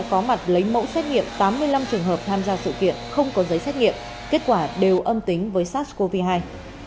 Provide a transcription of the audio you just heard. cảm ơn các bạn đã theo dõi và hẹn gặp lại